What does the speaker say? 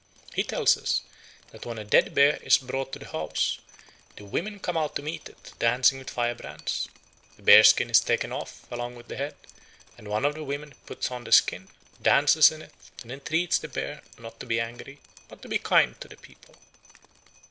He tells us that when a dead bear is brought to the house, the women come out to meet it, dancing with firebrands. The bear skin is taken off along with the head; and one of the women puts on the skin, dances in it, and entreats the bear not to be angry, but to be kind to the people.